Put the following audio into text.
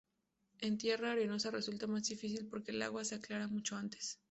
En tierra arenosa resulta más difícil porque el agua se aclara mucho antes.